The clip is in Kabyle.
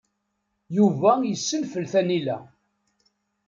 Yuba yessenfel tanila.